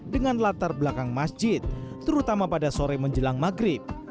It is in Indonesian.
dengan latar belakang masjid terutama pada sore menjelang maghrib